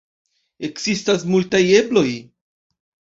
Ekzistas multaj ebloj.